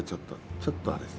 ちょっとあれです。